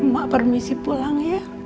mak permisi pulang ya